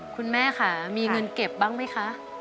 คุณแม่ค่ะมีเงินเก็บบ้างไหมคะ